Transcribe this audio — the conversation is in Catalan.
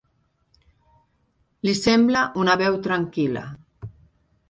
Li sembla una veu tranquil·la.